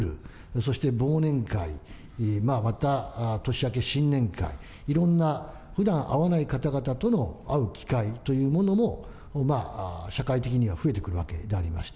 そして忘年会、まあまた、年明け新年会、いろんな、ふだん会わない方々との会う機会というものも、社会的には増えてくるわけでありまして。